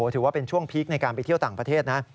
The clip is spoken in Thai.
ถือว่าเป็นช่วงพีคในการไปเที่ยวต่างประเทศนะ